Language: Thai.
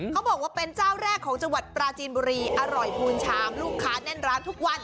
เขาบอกว่าเป็นเจ้าแรกของจังหวัดปราจีนบุรีอร่อยพูนชามลูกค้าแน่นร้านทุกวัน